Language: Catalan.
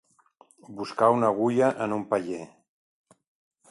Buscar una agulla en un paller.